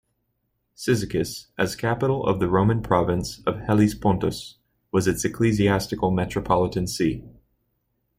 Cyzicus, as capital of the Roman province of Hellespontus, was its ecclesiastical metropolitan see.